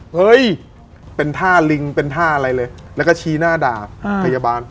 เฮ้ยเป็นท่าลิงเป็นท่าอะไรเลยแล้วก็ชี้หน้าด่าพยาบาล